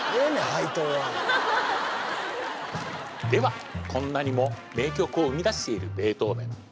配当はではこんなにも名曲を生み出しているベートーヴェン